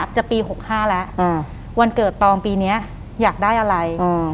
หลังจากนั้นเราไม่ได้คุยกันนะคะเดินเข้าบ้านอืม